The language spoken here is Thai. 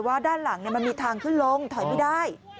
ด้านหลังมันมีทางขึ้นลงถอยไม่ได้